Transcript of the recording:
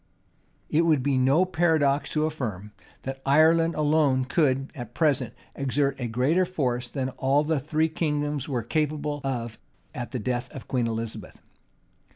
It would be no paradox to affirm, that Ireland alone could, at present, exert a greater force than all the three kingdoms were capable of at the death of Queen Elizabeth.